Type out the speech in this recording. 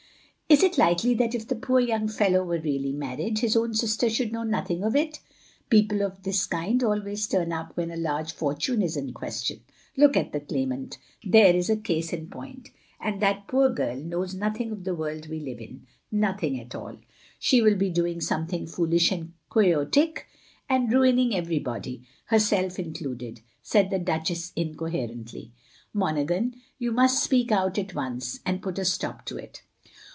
" Is it likely that if the poor yoting fellow were really married, his own sister should know nothing of it? People of this kind always turn up when a large forttine is in question. Look at the Claimant! There is a case in point. And that poor girl knows nothing of the world we live in, nothing at all. She will be doing something foolish and quixotic, and ruining everybody, her self included," said the Duchess, incoherently. ''Monaghan, you must speak out at once, and put a stop to it.